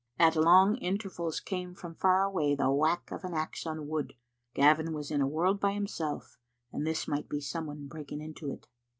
At long intervals came from far away the whack of an axe on wood. Gavin was in a world by himself, and this might be someone breaking into it.